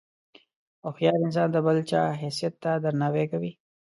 هوښیار انسان د بل چا حیثیت ته درناوی کوي.